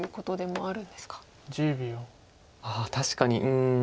ああ確かにうん。